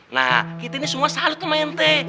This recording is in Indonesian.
nah kita ini semua salah sama n t